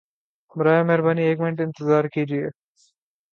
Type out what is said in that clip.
برائے مہربانی ایک منٹ انتظار کیجئیے!